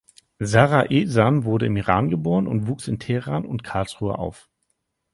Sara Ehsan wurde im Iran geboren und wuchs in Teheran und Karlsruhe auf.